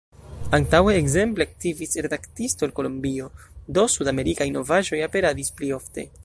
Antaŭe ekzemple aktivis redaktisto el Kolombio, do sudamerikaj novaĵoj aperadis pli ofte.